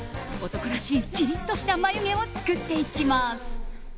男らしいキリッとした眉毛を作っていきます。